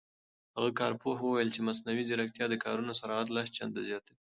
هغه کارپوه وویل چې مصنوعي ځیرکتیا د کارونو سرعت لس چنده زیاتوي.